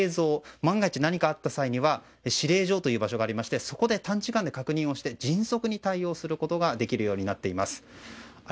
万が一、何かあった際には指令所という場所がありましてそこで短時間で確認して迅速に対応することができるようになっています。